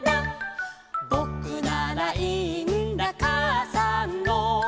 「ぼくならいいんだかあさんの」